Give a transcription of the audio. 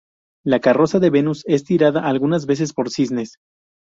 La carroza de Venus es tirada algunas veces por cisnes.